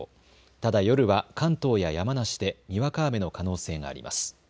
ただ夜は関東や山梨でにわか雨の可能性があります。